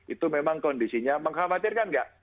itu memang kondisinya mengkhawatirkan nggak